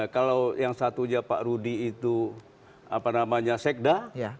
kalau yang satunya pak rudi itu apa namanya sekda